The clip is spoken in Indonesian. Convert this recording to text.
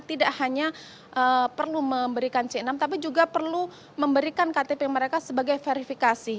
tidak hanya perlu memberikan c enam tapi juga perlu memberikan ktp mereka sebagai verifikasi